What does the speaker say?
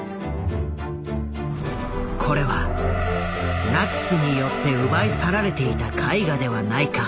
これはナチスによって奪い去られていた絵画ではないか？